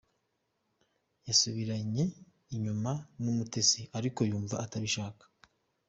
Yasubiranye inyuma n’Umutesi ariko yumva atabishaka.